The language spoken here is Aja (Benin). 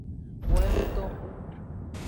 Wo enutnoxu.